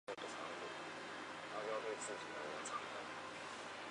而师云砵桥一段为四线双程。